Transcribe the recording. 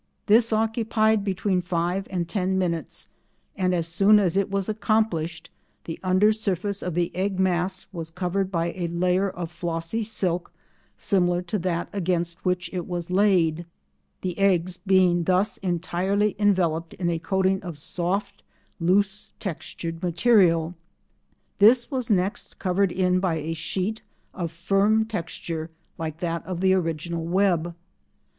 This occupied between five and ten minutes, and as soon as it was accomplished the under surface of the egg mass was covered by a layer of flossy silk similar to that against which it was laid, the eggs being thus entirely enveloped in a coating of soft loose textured material. This was next covered in by a sheet of firm texture like that of the original web.